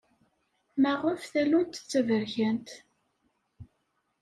Maɣef tallunt d taberkant?